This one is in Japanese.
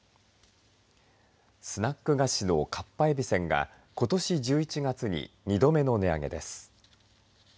スナック菓子のかっぱえびせんがことし１１月に２度目の値上げです。